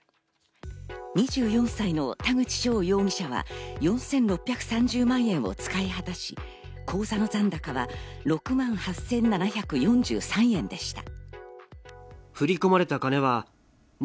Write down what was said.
２４歳の田口翔容疑者は４６３０万円を使い果たし、口座の残高は６万８７４３円でした。